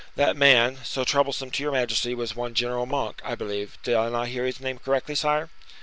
That man so troublesome to your majesty was one General Monk, I believe; did I not hear his name correctly, sire?"